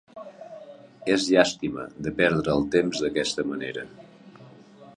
És llàstima, de perdre el temps d'aquesta manera.